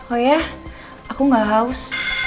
oh ya aku gak haus